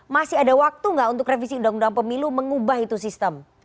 masih ada waktu nggak untuk revisi undang undang pemilu mengubah itu sistem